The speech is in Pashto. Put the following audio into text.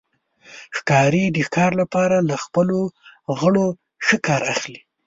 ښکاري د ښکار لپاره له خپلو غړو ښه کار اخلي.